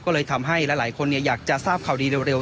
ก็เลยทำให้หลายคนอยากจะทราบข่าวดีเร็ว